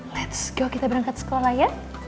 let's go kita berangkat sekolah ya